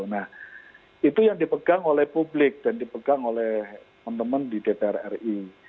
nah itu yang dipegang oleh publik dan dipegang oleh teman teman di dpr ri